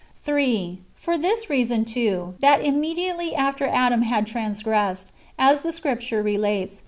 o. It was for this reason, too, that immediately after Adam had transgressed, as the Scripture relates.